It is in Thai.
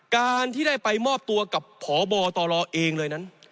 การที่ได้ไปมอบตัวกับพบตรเองเลยนั้น